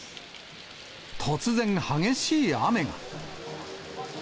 突然、激しい雨が。